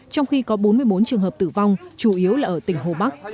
trong khi có bốn mươi bốn trường hợp tử vong chủ yếu là ở tỉnh hồ bắc